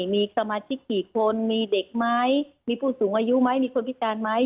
มีสมาชิกกี่คนมีเด็กไหมมีผู้สูงอายุไหมมีคนพิการไหม